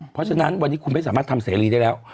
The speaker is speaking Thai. เพราะฉะนั้นวันนี้คุณไม่สามารถทำเสรีได้แล้ว